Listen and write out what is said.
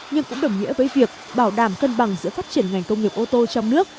nhưng cũng đồng nghĩa với việc bảo đảm cân bằng giữa phát triển ngành công nghiệp ô tô trong nước